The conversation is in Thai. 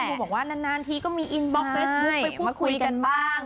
บอกว่านานทีก็มีอินบล็อกเฟซบุ๊คไปพูดคุยกันบ้าง